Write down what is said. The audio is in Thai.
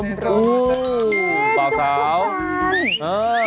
เย้มีจุกทุกชาญ